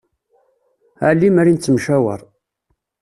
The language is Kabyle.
Ah lemmer i nettemcawaṛ.